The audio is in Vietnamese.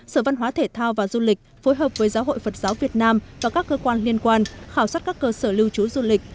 sở văn hóa thể thao và du lịch phối hợp với giáo hội phật giáo việt nam và các cơ quan liên quan khảo sát các cơ sở lưu trú du lịch